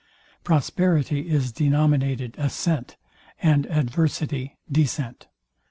Prosperity is denominated ascent, and adversity descent.